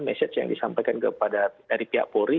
message yang disampaikan kepada dari pihak polri